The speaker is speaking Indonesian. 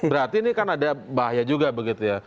berarti ini kan ada bahaya juga begitu ya